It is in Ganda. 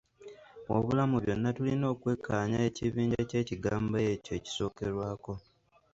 Wabula mu byonna tulina okwekkaanya ekibinja ky’ekigambo ekyo ekisookerwako.